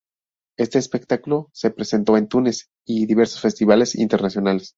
Este espectáculo se presentó en Túnez y diversos festivales internacionales.